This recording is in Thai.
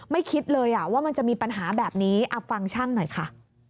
คิดเลยว่ามันจะมีปัญหาแบบนี้ฟังช่างหน่อยค่ะ